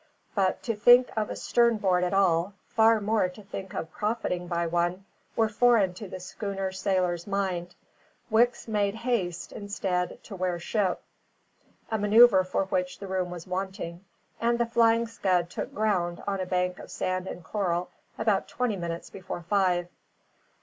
But to think of a stern board at all, far more to think of profiting by one, were foreign to the schooner sailor's mind. Wicks made haste instead to wear ship, a manoeuvre for which room was wanting, and the Flying Scud took ground on a bank of sand and coral about twenty minutes before five.